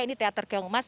ini teater keong mas